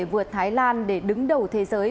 vượt thái lan để đứng đầu thế giới